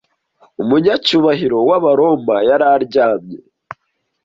Umunyacyubahiro w'Abaroma yari aryamye;